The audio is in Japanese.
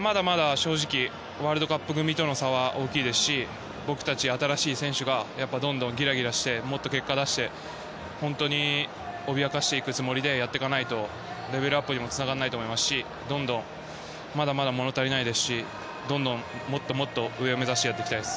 まだまだ正直ワールドカップ組との差は大きいですし僕たち、新しい選手がどんどん、ギラギラしてもっと結果を出して本当に脅かしていくつもりでやらないとレベルアップにもつながらないと思いますしまだまだ物足りないですしどんどんもっと上を目指したいです。